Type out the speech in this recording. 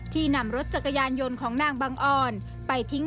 นำรถจักรยานยนต์ของนางบังออนไปทิ้ง